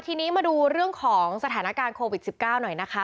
ทีนี้มาดูเรื่องของสถานการณ์โควิด๑๙หน่อยนะคะ